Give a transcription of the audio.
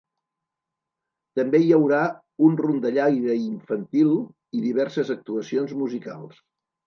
També hi haurà un rondallaire infantil i diverses actuacions musicals.